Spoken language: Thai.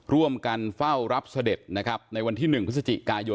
ร่วมกันเฝ้ารับเสด็จนะครับในวันที่๑พฤศจิกายน